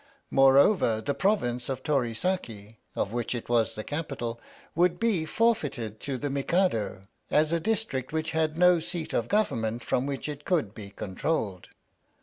Moreover the province of Toki Saki, of which it was the capital, would be forfeited to the Mikado as a district which had no seat of government from which it could be controlled.